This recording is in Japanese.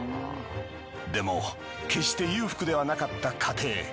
でも決して裕福ではなかった家庭。